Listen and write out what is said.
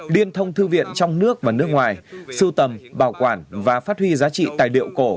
liên thông thư viện trong nước và nước ngoài sưu tầm bảo quản và phát huy giá trị tài liệu cổ